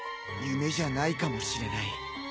夢じゃないかもしれない。